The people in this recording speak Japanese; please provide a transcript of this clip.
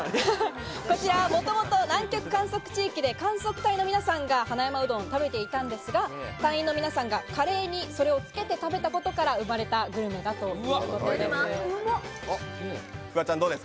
元々、南極観測地域で観測隊の皆さんが花山うどんを食べていたのですが、隊員の皆さんがカレーにそれをつけて食べたことから生まれたグルメだということです。